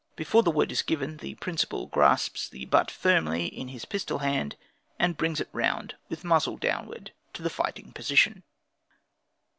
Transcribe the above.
Before the word is given, the principal grasps the butt firmly in his pistol hand, and brings it round, with the muzzle downward, to the fighting position.